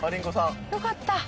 よかった！